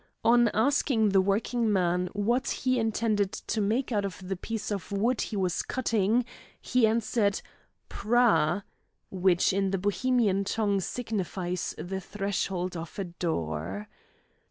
On asking the working man what he intended to make out of the piece of wood he was cutting, he answered: "Prah," which in the Bohemian tongue signifies the threshold of a door.